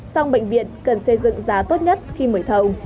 song bệnh viện cần xây dựng giá tốt nhất khi mời thầu